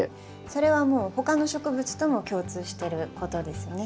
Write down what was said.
それはもう他の植物とも共通してることですね。